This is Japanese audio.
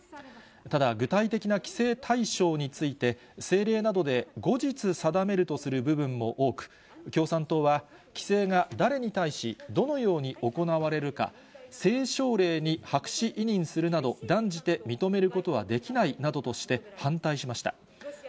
ただ、具体的な規制対象について、政令などで後日定めるとする部分も多く、共産党は、規制が誰に対し、どのように行われるか、政省令に白紙委任するなど、断じて認めることはできないなどとして、反対しました。